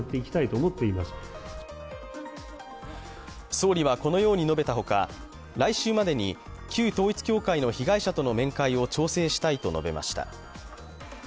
総理はこのように述べたほか来週までに旧統一教会の被害者との面会を調整したいと述べました。